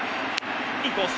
インコース。